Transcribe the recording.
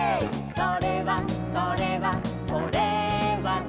「それはそれはそれはね」